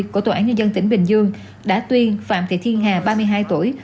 của tòa án nhân dân tỉnh bình dương đã tuyên phạm thị thiên hà ba mươi hai tuổi